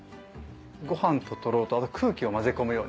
ご飯ととろろとあと空気を混ぜ込むように。